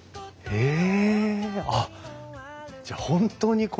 へえ！